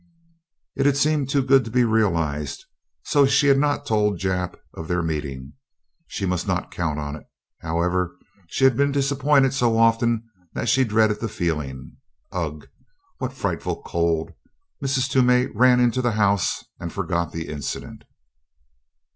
It had seemed too good to be realized, so she had not told Jap of their meeting. She must not count on it, however she had been disappointed so often that she dreaded the feeling. Ugh! What frightful cold! Mrs. Toomey ran into the house and forgot the incident.